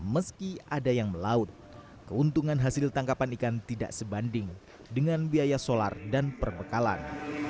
meski ada yang melaut keuntungan hasil tangkapan ikan tidak sebanding dengan biaya solar dan perbekalan